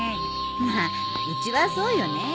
まあうちはそうよねえ。